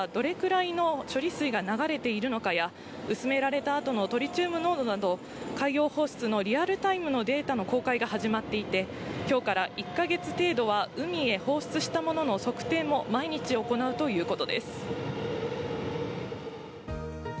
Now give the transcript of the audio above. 東京電力のホームページでは、どれくらいの処理水が流れているのかや、薄められた後のトリチウム濃度など、海洋放出のリアルタイムのデータの公開が始まっていて、きょうから１か月程度は海へ放出したものの測定も毎日行うということです。